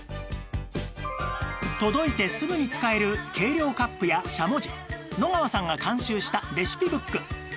届いてすぐに使える計量カップやしゃもじ野川さんが監修したレシピブック